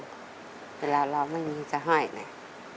และถ้าเราไม่มีจะห้อยหน่อย